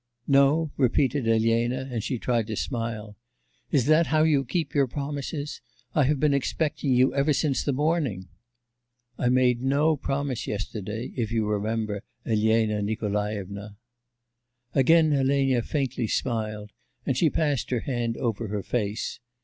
'No?' repeated Elena, and she tried to smile. 'Is that how you keep your promises? I have been expecting you ever since the morning.' 'I made no promise yesterday, if you remember, Elena Nikolaevna.' Again Elena faintly smiled, and she passed her hand over her face.